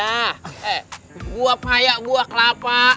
eh gua payak buah kelapa